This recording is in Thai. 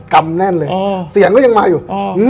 เกิ้ลยังมาอยู่